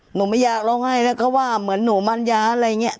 หนูไม่อยากร้องให้นะเขาว่าเหมือนหนูมันยาอะไรเงี้ย